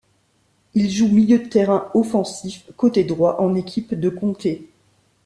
Il joue milieu de terrain offensif côté droit en équipe de Comté.